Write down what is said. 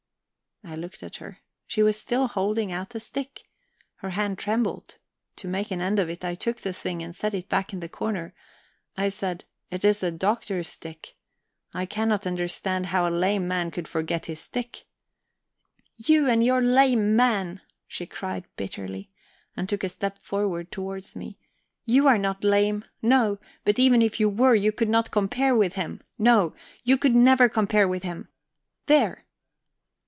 I looked at her. She was still holding out the stick; her hand trembled. To make an end of it, I took the thing, and set it back in the corner. I said: "It is the Doctor's stick. I cannot understand how a lame man could forget his stick." "You and your lame man!" she cried bitterly, and took a step forward towards me. "You are not lame no; but even if you were, you could not compare with him; no, you could never compare with him. There!"